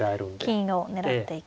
金を狙っていくと。